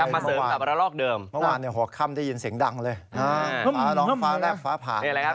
เมื่อวานเหาะค่ำได้ยินเสียงดังฟ้านองฟ้าและฟ้าผ่าน